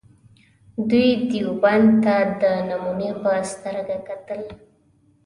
دوی دیوبند ته د نمونې په سترګه کتل.